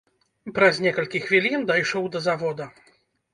Праз некалькі хвілін дайшоў да завода.